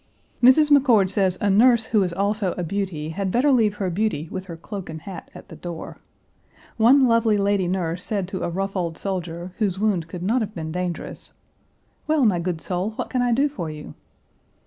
Mrs. McCord says a nurse, who is also a beauty, had better leave her beauty with her cloak and hat at the door. One lovely lady nurse said to a rough old soldier, whose wound could not have been dangerous, "Well, my good soul, what can I do for you?"